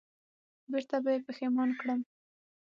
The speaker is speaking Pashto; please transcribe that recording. بېرته به یې پښېمان کړم